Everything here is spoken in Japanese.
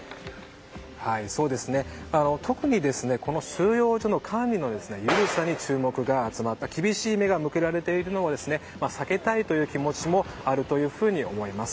特に、この収容所の管理の緩さに注目が集まって厳しい目が向けられているのを避けたいという気持ちもあると思います。